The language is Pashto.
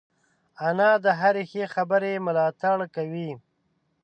انا د هرې ښې خبرې ملاتړ کوي